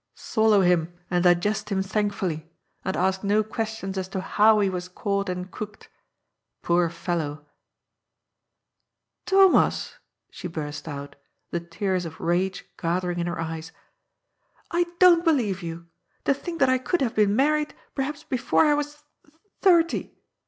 Swallow him, and digest him thank fully, and ask no questions as to how he was caught and cooked. Poor fellow !"" Thomas !" she burst out, the tears of rage gathering in her eyes, ^' I don't believe you. To think that I could have been married perhaps before I was th th thirty